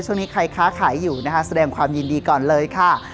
ช่วงนี้ใครค้าขายอยู่นะคะแสดงความยินดีก่อนเลยค่ะ